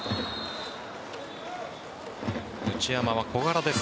内山は小柄です